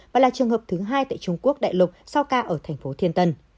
và là trường hợp thứ hai tại trung quốc đại lục sau ca ở tp thiên tân